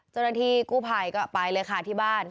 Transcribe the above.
เจ้าหน้าที่กู้ภัยก็ไปเลยค่ะที่บ้าน